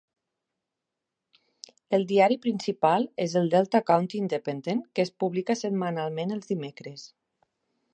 El diari principal és el "Delta County Independent", que es publica setmanalment els dimecres.